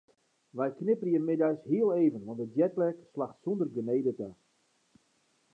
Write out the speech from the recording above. Wy knipperje middeis hiel even want de jetlag slacht sûnder genede ta.